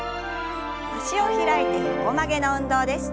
脚を開いて横曲げの運動です。